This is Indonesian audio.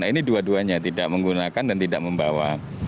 nah ini dua duanya tidak menggunakan dan tidak membawa